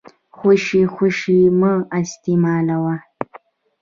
خوشې خوشې يې مه استيمالوئ.